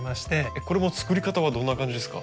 これも作り方はどんな感じですか？